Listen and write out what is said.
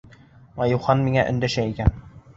Айыухан миңә өндәшә икән.